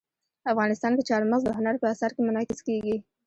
افغانستان کې چار مغز د هنر په اثار کې منعکس کېږي.